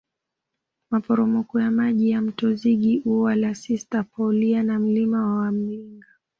Maporomoko ya maji ya Mto Zigi Ua la Sista Paulia na Mlima wa Mlinga